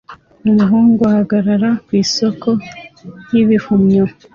Umuhungu ahagarara ku isoko y'ibihumyo